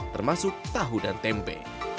termasuk tahu dan tempe